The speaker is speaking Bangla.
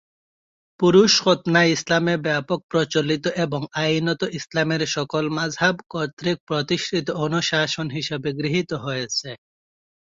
পুরুষ খৎনা ইসলামে ব্যপক প্রচলিত এবং আইনত ইসলামের সকল মাযহাব কর্তৃক প্রতিষ্ঠিত অনুশাসন হিসাবে গৃহীত হয়েছে।